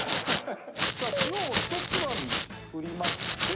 さあ塩をひとつまみ振りまして。